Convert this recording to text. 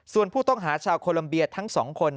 ส่วนผู้ต้องหาชาวโคลัมเบียทั้ง๒คน